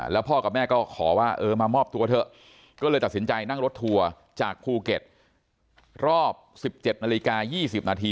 แล้วพ่อกับแม่ก็ขอว่าเออมามอบตัวเถอะก็เลยตัดสินใจนั่งรถทัวร์จากภูเก็ตรอบ๑๗นาฬิกา๒๐นาที